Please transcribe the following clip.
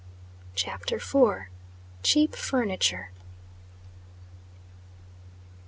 CHAPTER IV. CHEAP FURNITURE.